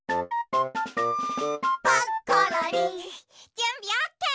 じゅんびオッケー！